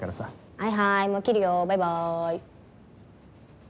はいはいもう切るよバイバイ。